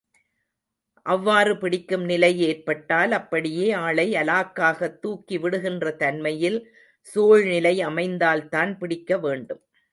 அவ்வாறு பிடிக்கும் நிலை ஏற்பட்டால், அப்படியே ஆளை அலாக்காகத் துக்கி விடுகின்ற தன்மையில் சூழ்நிலை அமைந்தால்தான் பிடிக்க வேண்டும்.